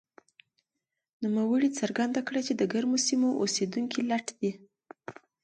نوموړي څرګنده کړه چې د ګرمو سیمو اوسېدونکي لټ دي.